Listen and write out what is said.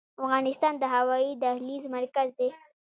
افغانستان د هوایي دهلیز مرکز دی؟